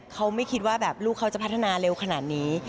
เขาไม่คิดว่าแบบลูกเขาจะพัฒนาเร็วขนาดนี้